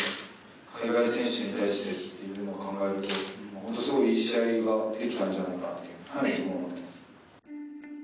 海外選手に対してっていうの考えるとホントすごいいい試合ができたんじゃないかって自分は思ってます